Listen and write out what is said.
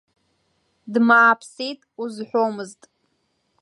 Дмааԥсеит узҳәомызт.